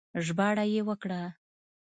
ژباړه يې وکړه